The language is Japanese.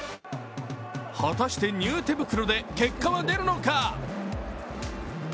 果たして、ニュー手袋で結果は出るのか。